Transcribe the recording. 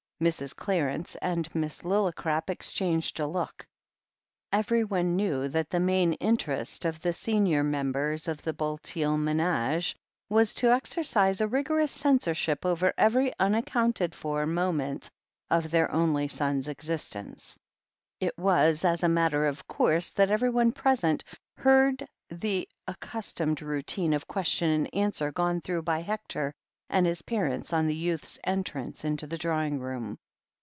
Mrs. Clarence and Miss Lillicrap exchanged a look. Everyone knew that the main interest of the senior members of the Bulteel menage was to exercise a rigor ous censorship over every unaccounted for moment of their only son's existence. THE HEEL OF ACHILLES 145 It was as a matter of course that everyone present heard the accustomed routine of question and answer gone through by Hector and his parents on the youth's entrance into the drawing room.